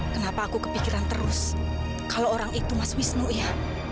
kenapa aku kepikiran terus kalau orang itu mas wisnu ya